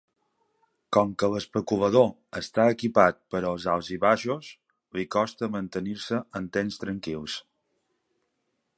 Com que l'especulador està equipat per als alt-i-baixos, li costa mantenir-se en temps tranquils.